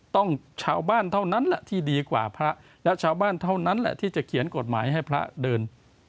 ต้องชาวบ้านเท่านั้นแหละที่ดีกว่าพระและชาวบ้านเท่านั้นแหละที่จะเขียนกฎหมายให้พระเดิน